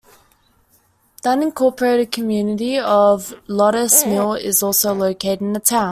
The unincorporated community of Loddes Mill is also located in the town.